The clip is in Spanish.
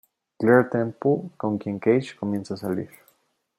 Claire Temple, con quien Cage comienza a salir.